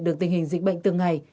được tình hình dịch bệnh từng ngày